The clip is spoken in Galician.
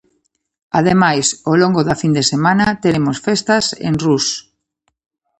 Ademais, ao longo da fin de semana teremos festas en Rus.